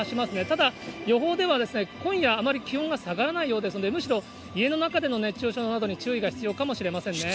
ただ、予報では今夜、あまり気温が下がらないようなんですね、むしろ家の中での熱中症などに注意が必要かもしれませんね。